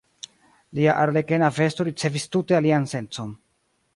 Lia arlekena vesto ricevis tute alian sencon.